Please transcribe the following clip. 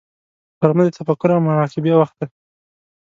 غرمه د تفکر او مراقبې وخت دی